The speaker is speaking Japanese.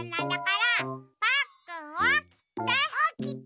パックンおきて！